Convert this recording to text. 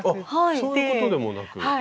あっそういうことでもなく。